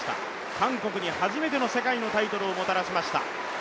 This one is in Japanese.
韓国に初めての世界のタイトルをもたらしました。